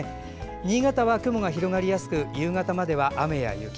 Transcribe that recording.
新潟は雲が広がりやすく夕方までは雨や雪。